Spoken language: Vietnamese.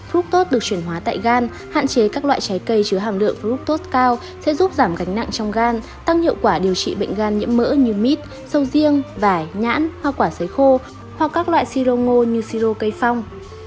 fructose được chuyển hóa tại gan hạn chế các loại trái cây chứa hàm lượng fructose cao sẽ giúp giảm gánh nặng trong gan tăng hiệu quả điều trị bệnh gan nhiễm mỡ như mít sâu riêng vải nhãn hoa quả sấy khô hoặc các loại si rô ngô như si rô cây phong